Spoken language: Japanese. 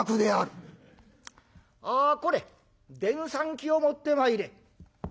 あこれ電算機を持ってまいれ」。